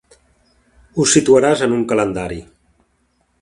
Ho situaràs en un calendari.